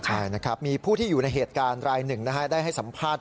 ใช่มีผู้ที่อยู่ในเหตุการณ์ราย๑ได้ให้สัมภาษณ์